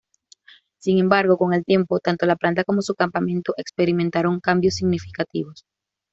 Sin embargo, con el tiempo, tanto la planta como su campamento experimentaron cambios significativos.